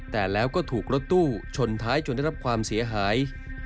แต่แล้วก็ถูกรถตู้ชนท้ายจนได้รับความเสียหาย